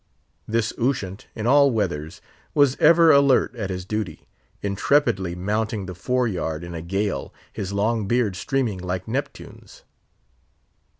This Ushant, in all weathers, was ever alert at his duty; intrepidly mounting the fore yard in a gale, his long beard streaming like Neptune's.